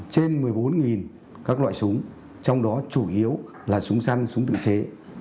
trên một mươi bốn các loại súng trong đó chủ yếu là súng săn súng tự chế